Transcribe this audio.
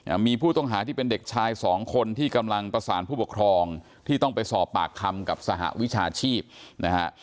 มีผู้ต้องหาที่เป็นเด็กชายสองคนที่กำลังประสานผู้ปกครองที่ต้องไปสอบปากคำกับสหวิชาชีพนะฮะ